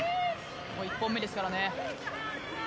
ここ１本目ですからね。